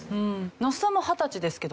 那須さんも二十歳ですけど。